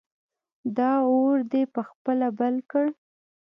دا اور دې په خپله بل کړ!